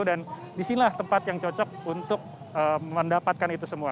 dan disinilah tempat yang cocok untuk mendapatkan itu semua